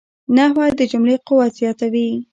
نحوه د جملې قوت زیاتوي.